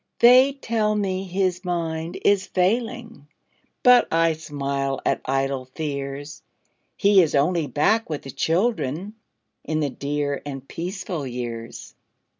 They tell me his mind is failing, But I smile at idle fears; He is only back with the children, In the dear and peaceful years.